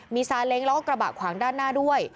มีซาเล้งแล้วก็กระบะขวางด้านหน้าด้วย